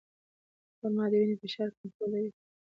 خرما د وینې فشار کنټرولوي.